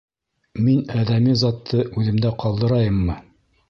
Мин әҙәми затты үҙемдә ҡалдырайыммы?